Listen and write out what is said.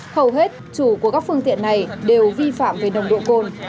hầu hết chủ của các phương tiện này đều vi phạm về nồng độ cồn